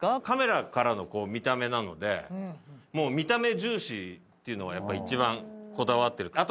カメラからの見た目なのでもう見た目重視っていうのは一番こだわってる。